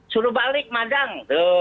suruh balik madang